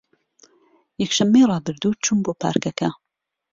یەکشەممەی ڕابردوو چووم بۆ پارکەکە.